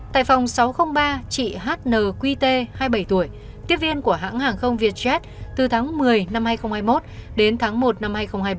tại phòng sáu trăm linh ba chị hnqt hai mươi bảy tuổi tiếp viên của hãng hàng không vietjet từ tháng một mươi năm hai nghìn hai mươi một đến tháng một năm hai nghìn hai mươi ba